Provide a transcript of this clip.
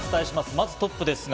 まずトップです。